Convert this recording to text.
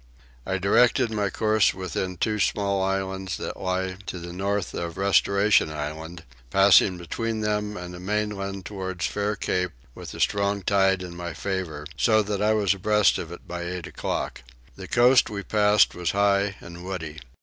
I directed my course within two small islands that lie to the north of Restoration Island, passing between them and the mainland towards Fair Cape with a strong tide in my favour, so that I was abreast of it by eight o'clock. The coast we passed was high and woody.